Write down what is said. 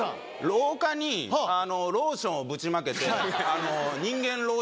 廊下にローションをぶちまけて。